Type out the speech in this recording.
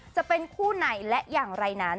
จะเป็นคู่ไหนและอย่างไรนั้น